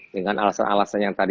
dengan alasan alasan yang tadi